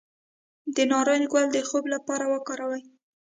د نارنج ګل د خوب لپاره وکاروئ